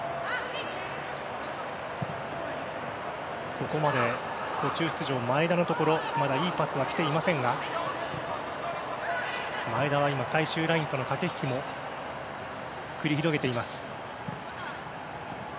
ここまで途中出場の前田のところにまだいいパスは来ていませんが前田は最終ラインとの駆け引きを繰り広げています。